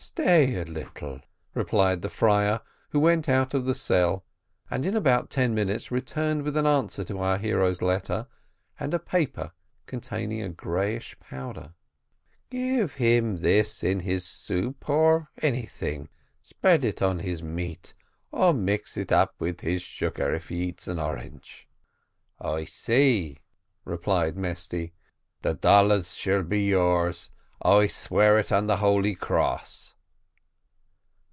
"Stay a little," replied the friar, who went out of the cell, and, in about ten minutes, returned with an answer to our hero's letter and a paper containing a grayish powder. "Give him this in his soup or anything spread it on his meat, or mix it up with his sugar if he eats an orange." "I see," replied Mesty. "The dollars shall be yours. I swear it on the holy cross."